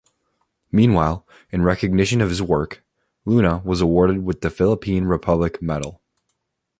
Meanwhile, in recognition of his work, Luna was awarded with the Philippine Republic Medal.